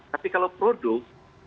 tapi kalau produk